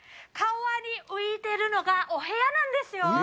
川に浮いてるのがお部屋なんですよ。